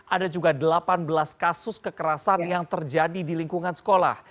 ada juga delapan belas kasus kekerasan yang terjadi di lingkungan sekolah